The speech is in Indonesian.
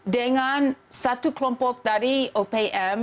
dengan satu kelompok dari opm